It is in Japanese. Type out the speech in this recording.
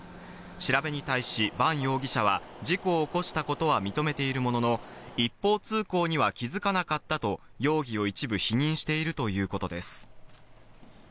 調べに対し、伴容疑者は事故を起こしたことは認めているものの、一方通行には気づかなかったと容疑を一部否認しているということです。